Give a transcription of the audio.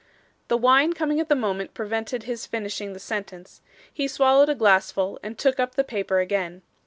The wine coming at the moment prevented his finishing the sentence. He swallowed a glassful and took up the paper again.